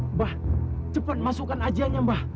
mbah cepat masukkan ajiannya